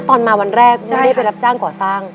ตอนมาวันแรกไม่ได้ไปรับจ้างก่อสร้าง